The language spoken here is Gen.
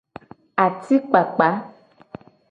Atikpakpa.